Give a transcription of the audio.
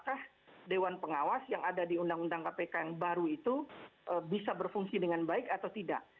apakah dewan pengawas yang ada di undang undang kpk yang baru itu bisa berfungsi dengan baik atau tidak